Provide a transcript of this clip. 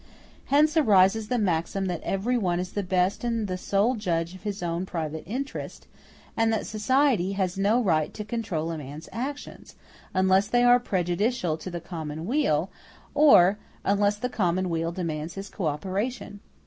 Hence arises the maxim that every one is the best and the sole judge of his own private interest, and that society has no right to control a man's actions, unless they are prejudicial to the common weal, or unless the common weal demands his co operation.